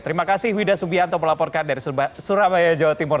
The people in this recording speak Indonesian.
terima kasih wida subianto melaporkan dari surabaya jawa timur